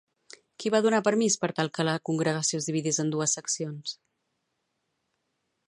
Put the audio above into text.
Qui va donar permís per tal que la congregació es dividís en dues seccions?